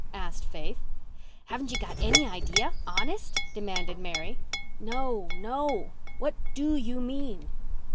asked Faith. "Haven't you got any idea—honest?" demanded Mary. "No, no. What do you mean?"